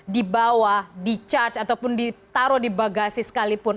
dibawa di charge ataupun ditaruh di bagasi sekalipun